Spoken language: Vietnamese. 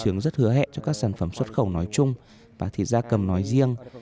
thị trường rất hứa hẹn cho các sản phẩm xuất khẩu nói chung và thịt da cầm nói riêng